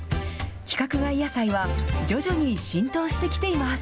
規格外野菜は、徐々に浸透してきています。